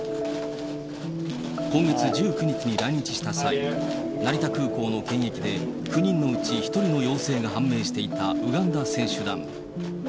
今月１９日に来日した際、成田空港の検疫で、９人のうち１人の陽性が判明していたウガンダ選手団。